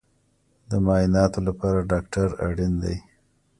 د معایناتو لپاره ډاکټر اړین دی